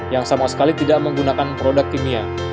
yang sama sekali tidak menggunakan produk kimia